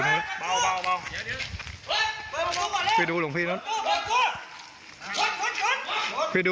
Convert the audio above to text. คลิปนี้เป็นคลิปหลังเกิดเหตุ